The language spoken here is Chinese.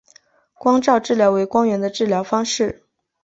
光照治疗为光源的治疗方式。